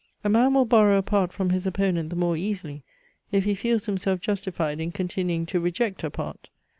A man will borrow a part from his opponent the more easily, if he feels himself justified in continuing to reject a part.